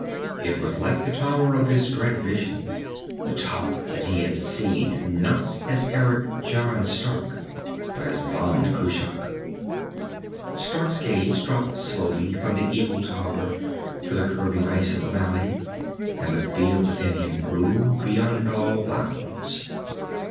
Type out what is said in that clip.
It was like the tower of his dread vision, the tower that he had seen, not as Eric John Stark, but as Ban Cruach! Stark's gaze dropped slowly from the evil tower to the curving ice of the valley. And the fear within him grew beyond all bounds.